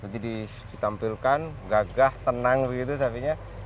jadi ditampilkan gagah tenang begitu sapinya